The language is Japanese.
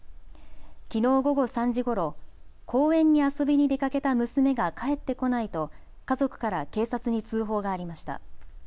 きのう午後３時ごろ、公園に遊びに出かけた娘が帰ってこないと家族から警察に通報がありました。